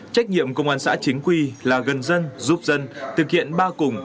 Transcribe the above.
trách nhiệm công an xã chính quy là gần dân giúp dân thực hiện ba cùng